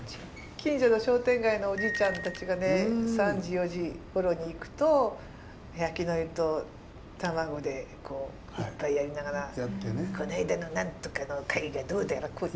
近所の商店街のおじいちゃんたちがね３時４時ごろに行くと焼き海苔と卵でこう１杯やりながら「こないだのなんとかの会がどうたらこうたら」。